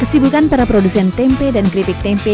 kesibukan para produsen tempe dan keripik tempe